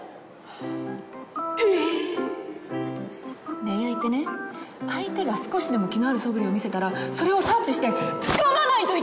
恋愛ってね相手が少しでも気のあるそぶりを見せたらそれを察知してつかまないといけないの！